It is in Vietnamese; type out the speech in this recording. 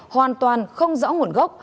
hoàn toàn không rõ nguồn gốc